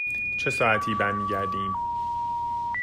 چه ساعتی برمی گردیم؟